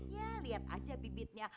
ya lihat aja bibitnya